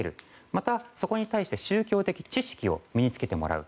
また、そこに対して宗教的知識を身に着けてもらう。